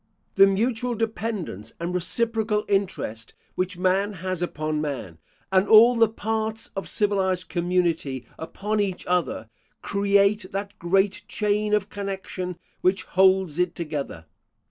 The mutual dependence and reciprocal interest which man has upon man, and all the parts of civilised community upon each other, create that great chain of connection which holds it together.